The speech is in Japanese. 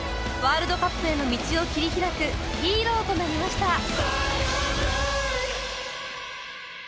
ワールドカップへの道を切り開くヒーローとなりました